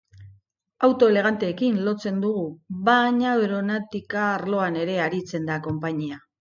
Auto eleganteekin lotzen dugu, baina aeronautika arloan ere aritzen da konpainia.